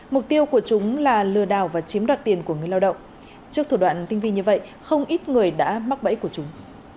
mục tiêu của chúng là lừa đảo và chiếm đoạt tiền của người lao động trước thủ đoạn tinh vi như vậy không ít người đã mắc bẫy của chúng